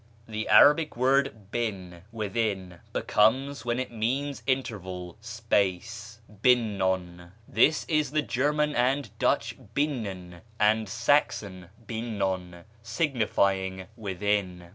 The Arabic word bin, within, becomes, when it means interval, space, binnon; this is the German and Dutch binnen and Saxon binnon, signifying within.